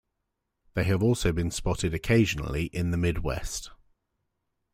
They have also been spotted occasionally in the Midwest.